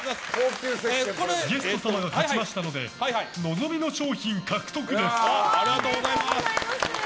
ゲスト様が勝ちましたので望みの賞品獲得です。